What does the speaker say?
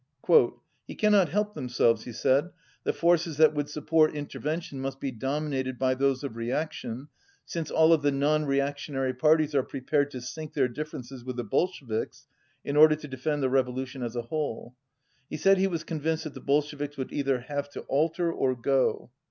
"They 205 cannot help themselves," he said, "the forces that would support intervention must be dominated by those of reaction, since all of the non reactionary parties are prepared to sink their differences with the Bolsheviks, in order to defend the revolution as a whole." He said he was convinced that the Bolsheviks would either have to alter or go.